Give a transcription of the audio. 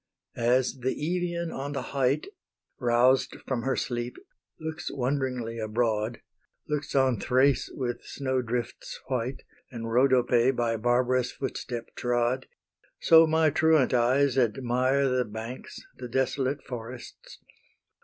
As the Evian on the height, Roused from her sleep, looks wonderingly abroad, Looks on Thrace with snow drifts white, And Rhodope by barbarous footstep trod, So my truant eyes admire The banks, the desolate forests.